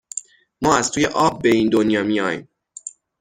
ما از توی آب به این دنیا میایم